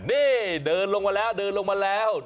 นี่เดินลงมาแล้ว